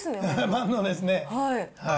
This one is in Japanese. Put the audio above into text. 万能ですね。